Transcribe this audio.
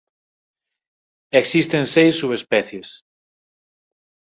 Existen seis subespecies.